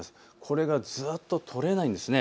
これがずっと取れないんです。